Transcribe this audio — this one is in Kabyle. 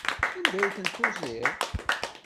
Anda ay ten-tuziḍ?